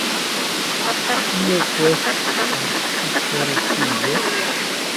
Kio post la ciferecigo?